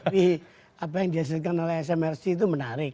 tapi apa yang dihasilkan oleh smr sibawah itu menarik